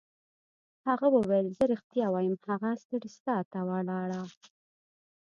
هغه وویل: زه ریښتیا وایم، هغه سټریسا ته ولاړه.